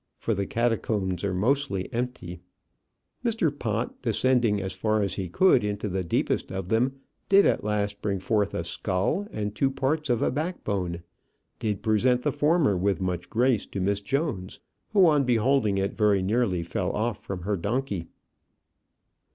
for the catacombs are mostly empty. Mr. Pott, descending as far as he could into the deepest of them, did at last bring forth a skull and two parts of a back bone; did present the former with much grace to Miss Jones, who, on beholding it, very nearly fell from off her donkey.